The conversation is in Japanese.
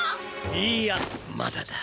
いいやまだだ。